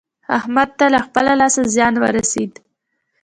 احمد ته له خپله لاسه زيان ورسېد.